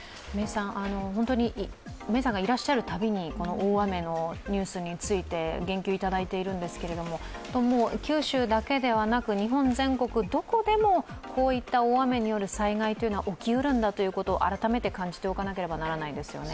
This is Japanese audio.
メイさんがいらっしゃるたびに大雨のニュースについて言及いただいているんですが、九州だけではなくて日本全国どこでもこういった大雨による災害は起きうるんだということ、改めて感じておかないといけないですね。